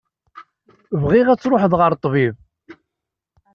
Bɣiɣ ad truḥeḍ ɣer ṭṭbib.